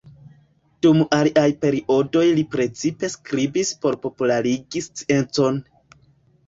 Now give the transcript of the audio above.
Dum aliaj periodoj li precipe skribis por popularigi sciencon.